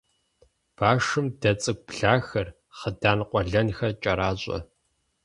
Башым дэ цӀыкӀу блахэр, хъыдан къуэлэнхэр кӀэращӀэ.